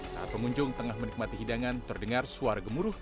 saat pengunjung tengah menikmati hidangan terdengar suara gemuruh